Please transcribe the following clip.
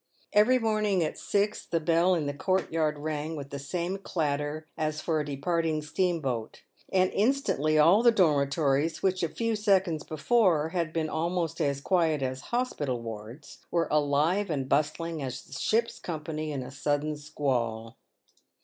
Every morning at six the bell in the court yard rang with the same clatter as for a departing steam boat, and instantly all the PAVED WITH GOLD. 55 dormitories, which a few seconds before had been almost as quiet as hospital wards, were alive and bustling as a ship's company in a sudden squall.